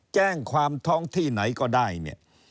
แจ้งความท้องที่ไหนก็ได้